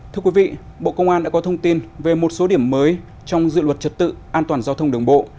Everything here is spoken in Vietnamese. thưa quý vị bộ công an đã có thông tin về một số điểm mới trong dự luật trật tự an toàn giao thông đường bộ